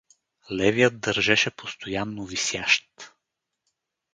Левият държеше постоянно висящ.